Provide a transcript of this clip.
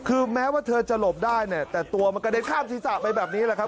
คือแม้ว่าเธอจะหลบได้เนี่ยแต่ตัวมันกระเด็นข้ามศีรษะไปแบบนี้แหละครับ